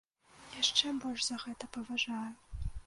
Яшчэ больш за гэта паважаю.